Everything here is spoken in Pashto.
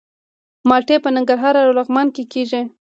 مالټې په ننګرهار او لغمان کې کیږي.